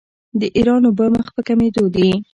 د ایران اوبه مخ په کمیدو دي.